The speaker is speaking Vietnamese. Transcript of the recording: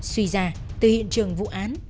suy ra từ hiện trường vụ án